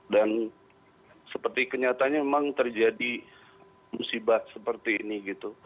dan seperti kenyataannya memang terjadi musibah seperti ini